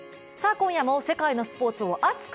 今夜も世界のスポ−ツを熱く！